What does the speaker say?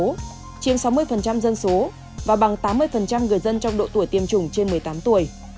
nhiều người dân số và bằng tám mươi người dân trong độ tuổi tiêm chủng trên một mươi tám tuổi